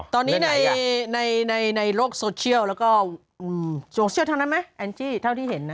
ตอนนี้ในโลกโซเชียลแล้วก็โซเชียลเท่านั้นไหมแอนจี้เท่าที่เห็นนะ